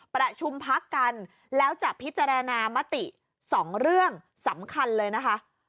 ประชุมพักกันแล้วจะพิจารณามติ๒เรื่องสำคัญเลยนะคะ